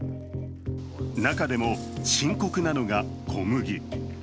中でも深刻なのが小麦。